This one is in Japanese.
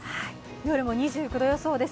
夜も２９度予想です。